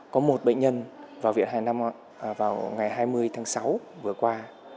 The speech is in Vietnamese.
có một bệnh nhân vào viện hải năm vào ngày hai mươi tháng sáu vừa qua